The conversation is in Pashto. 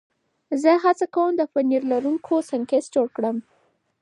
زه هڅه کوم د پنیر لرونکي سنکس جوړ کړم.